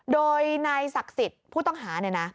โดยนายศักดิ์สิทธิ์ผู้ต้องหาเนี่ยนะ